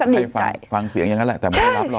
เธอฟังเสียงยังไงแหละแต่มันไม่รับล่ะ